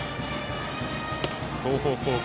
東邦高校